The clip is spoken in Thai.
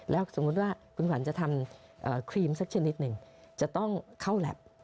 แล้วสมมุติว่าคุณขวัญจะทำครีมสักชนิดหนึ่งจะต้องเข้าแล็บ